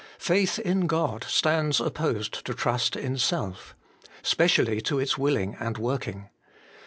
Faith in God stands opposed to trust in self: specially to its willing and working.